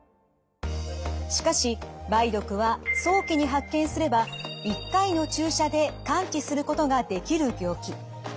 しかし梅毒は早期に発見すれば１回の注射で完治することができる病気。